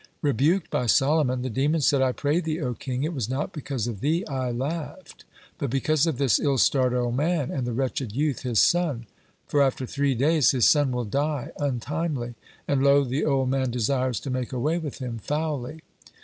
Rebuked by Solomon, the demon said: "I pray thee, O king, it was not because of thee I laughed, but because of this ill starred old man and the wretched youth, his son. For after three days his son will die untimely, and, lo, the old man desires to make away with him foully."